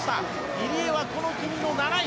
入江はこの組の７位。